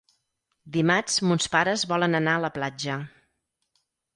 Dimarts mons pares volen anar a la platja.